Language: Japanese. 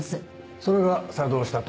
それが作動したと。